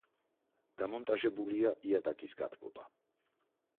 დამონტაჟებულია იატაკის გათბობა.